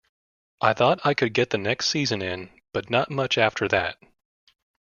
I thought I could get the next season in, but not much after that.